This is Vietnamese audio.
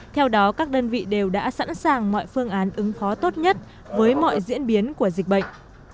theo đó các đơn vị đều đã sẵn sàng mọi phương án ứng phó tốt nhất với mọi diễn biến của dịch bệnh